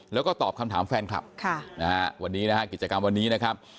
แล้วก็ตอบคำถามแฟนคลับนะฮะวันนี้นะฮะกิจกรรมวันนี้นะครับ